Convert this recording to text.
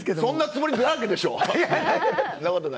そんなつもりでしょ。